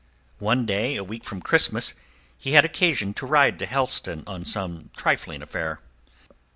One day, a week from Christmas, he had occasion to ride to Helston on some trifling affair.